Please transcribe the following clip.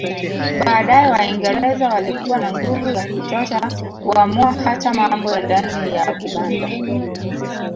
Baadaye Waingereza walikuwa na nguvu ya kutosha kuamua hata mambo ya ndani ya Buganda